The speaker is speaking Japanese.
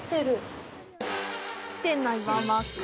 店内は真っ暗。